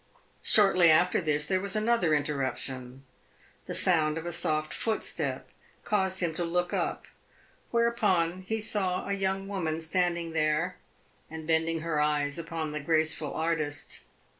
Shortly after this, there was another interruption. The sound of a soft footstep caused him to look up; whereupon he saw a young woman standing there and bending her eyes upon the graceful artist.